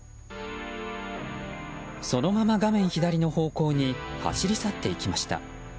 そのまま画面左の方向に走り去っていきました。